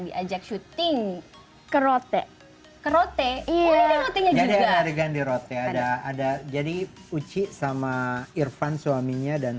diajak syuting ke rote ke rote iya jadi ganti rote ada ada jadi uci sama irfan suaminya dan